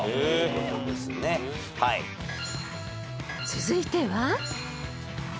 ［続いては］